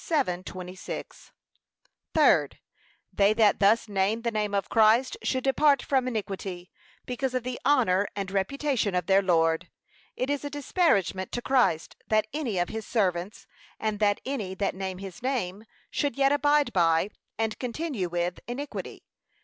7:26) Third, They that thus name the name of Christ should depart from iniquity, because of the honour and reputation of their Lord. It is a disparagement to Christ, that any of his servants, and that any that name his name, should yet abide by, and continue with, iniquity.